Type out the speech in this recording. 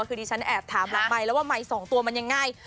คือดิฉันแอบถามหลังไมค์แล้วว่าไมค์๒ตัวมันยังไง